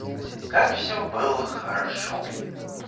Как всё было хорошо!